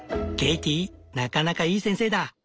ケイティなかなかいい先生だ。